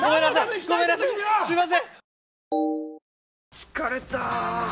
疲れた！